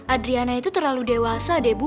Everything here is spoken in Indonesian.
adriana itu terlalu dewasa deh bu